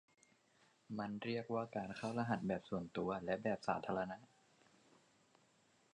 มันเรียกว่าการเข้ารหัสแบบส่วนตัวและแบบสาธารณะ